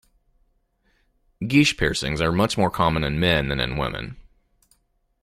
Guiche piercings are much more common in men than in women.